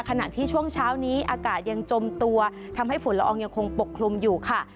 ขณะที่ช่วงเช้านี้อากาศยังจมตัวทำให้ฝุ่นละอองยังคงปกคลุมอยู่ค่ะ